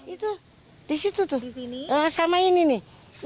itu disitu tuh sama ini nih